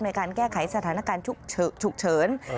ในการแก้ไขสถานการณ์ฉุกเฉิน